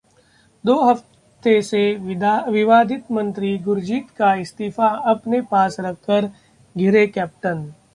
दो हफ्ते से विवादित मंत्री गुरजीत का इस्तीफा अपने पास रखकर घिरे कैप्टन